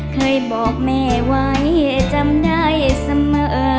เคยบอกแม่ไว้จำได้เสมอ